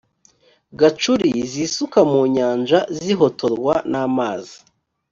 gacuri zisuka mu nyanja zihotorwa n amazi